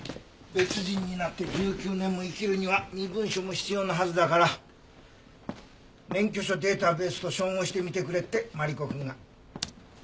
別人になって１９年も生きるには身分証も必要なはずだから免許証データベースと照合してみてくれってマリコくんが。